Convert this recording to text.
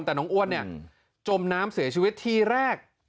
แต่น้องอ้วนเนี่ยจมน้ำเสียชีวิตทีแรก